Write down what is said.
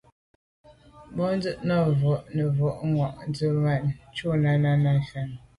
Bwɔ́ŋkə̂’ nɑ̂’ vwá’ nə̀ vwá’ vwɑ́’ dzwə́ zə̄ mɛ̂n shûn Náná ná’ fáŋə́.